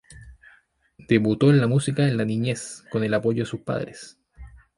Debutó en la música en la niñez, con el apoyo de sus padres.